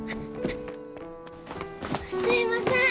すいません。